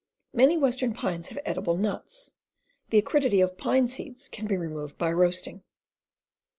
Many western pines have edible "nuts." Tne acridity of pine seeds can be removed by roastmg.